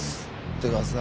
ってかさ